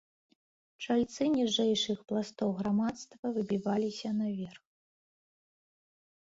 Чальцы ніжэйшых пластоў грамадства выбіваліся наверх.